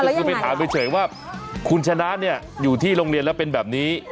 ก็คือไปถามเฉยว่าคุณชนะอยู่ที่โรงเรียนแล้วเป็นแบบนี้